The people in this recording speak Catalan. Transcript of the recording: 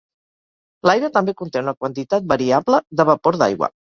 L'aire també conté una quantitat variable de vapor d'aigua.